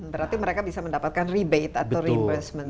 berarti mereka bisa mendapatkan rebate atau reimbursement